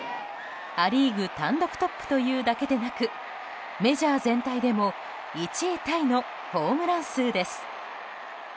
ア・リーグ単独トップというだけでなくメジャー全体でも１位タイのホームラン数です。